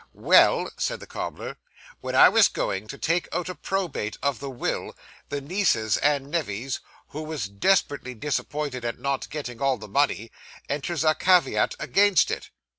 Well,' said the cobbler, 'when I was going to take out a probate of the will, the nieces and nevys, who was desperately disappointed at not getting all the money, enters a caveat against it.